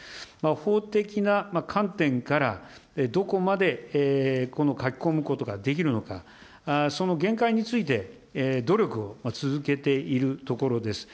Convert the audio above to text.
法的な観点からどこまで書き込むことができるのか、その限界について努力を続けているところです。